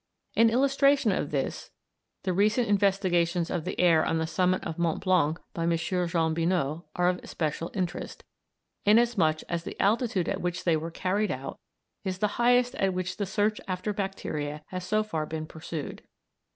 In illustration of this the recent investigations of the air on the summit of Mont Blanc by M. Jean Binot are of especial interest, inasmuch as the altitude at which they were carried out is the highest at which the search after bacteria has so far been pursued.